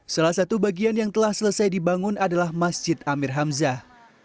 salah satu bagian yang telah selesai dibangun adalah masjid amir hamzah